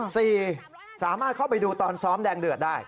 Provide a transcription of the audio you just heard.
สามารถเข้าไปดูตอนซ้อมแดงเดือดได้